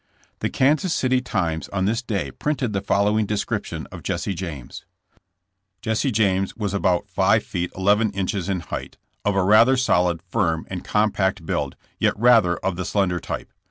The Kansas City Times on this day printed the following description of Jesse James; Jesse James was about 5 feet 11 inches in height, OUTI^AWICD AND HUNTED. 103 of a rather solid, firm and compact build, yet rather of the slender type.